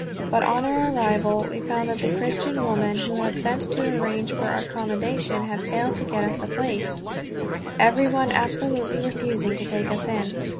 But on our arrival we found that the Christian whom we had sent to arrange for our accommodation had failed to get us a place, every one absolutely refusing to take us in.